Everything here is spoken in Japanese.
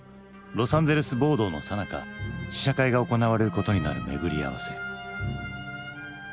ロサンゼルス暴動のさなか試写会が行われることになる巡り合わせ。